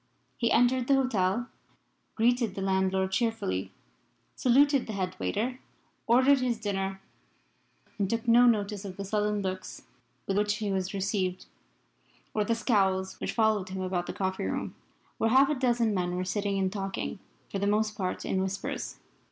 He entered the hotel, greeted the landlord cheerfully, saluted the head waiter, ordered his dinner, and took no notice of the sullen looks with which he was received or the scowls which followed him about the coffee room, where half a dozen men were sitting and talking, for the most part in whispers.